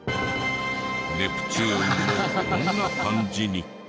ネプチューンもこんな感じに。